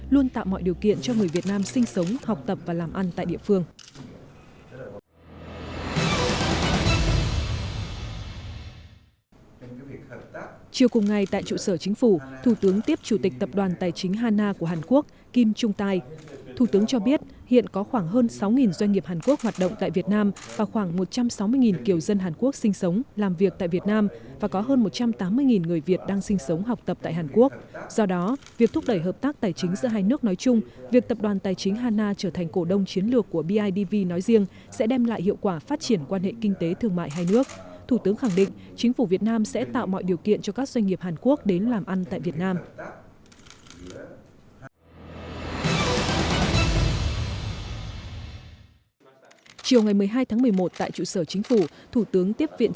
luôn tạo mọi điều kiện cho người việt nam sinh sống học tập và làm ăn tại địa phương